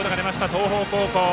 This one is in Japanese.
東邦高校。